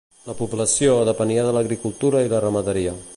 La població depenia de l'agricultura i la ramaderia.